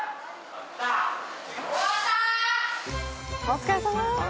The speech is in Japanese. お疲れさま。